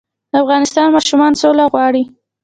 د افغانستان ماشومان سوله غواړي